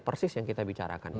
persis yang kita bicarakan